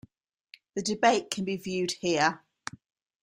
The debate can be viewed here.